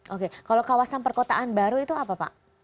oke kalau kawasan perkotaan baru itu apa pak